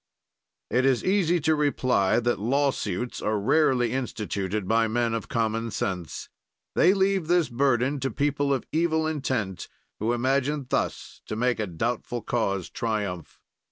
It is easy to reply that lawsuits are rarely instituted by men of common sense; they leave this burden to people of evil intent, who imagine thus to make a doubtful cause triumph.